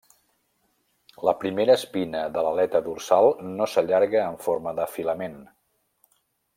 La primera espina de l'aleta dorsal no s'allarga en forma de filament.